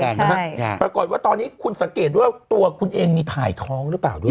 ใช่ไงปรากฏว่าตอนนี้คุณสังเกตด้วยว่าตัวคุณเองมีถ่ายท้องหรือเปล่าด้วย